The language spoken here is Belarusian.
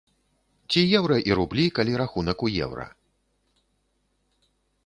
Ці еўра і рублі, калі рахунак у еўра.